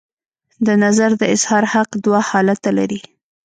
د نظر د اظهار حق دوه حالته لري.